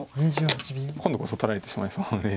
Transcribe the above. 今度こそ取られてしまいそうなので。